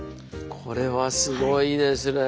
これはすごいですね。